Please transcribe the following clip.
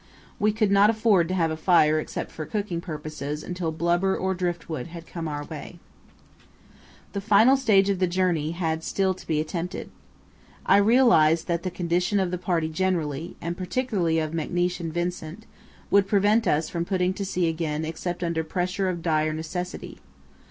We could not afford to have a fire except for cooking purposes until blubber or driftwood had come our way. [Illustration: [Plan of Sleeping Berths in Cave]] The final stage of the journey had still to be attempted. I realized that the condition of the party generally, and particularly of McNeish and Vincent, would prevent us putting to sea again except under pressure of dire necessity.